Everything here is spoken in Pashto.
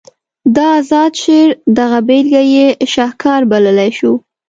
د اذاد شعر دغه بیلګه یې شهکار بللی شو.